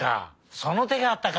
そのてがあったか！